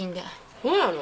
そうなの？